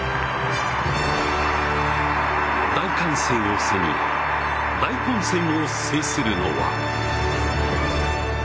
大歓声を背に大混戦を制するのは。